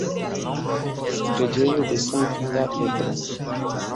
Preĝejo de Sankta Petro.